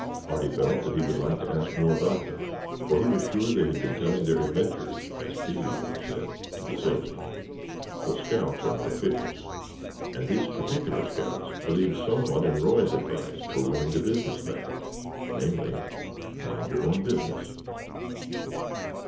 Artie felt that he would like to ask more about them, for he was sure they had been telling "their adventures," as Pee wee would have said, to the salesman. But scouts are not officious, and these particular scouts believed somewhat in Roy's advice for winning the business badge; viz., Mind your own business.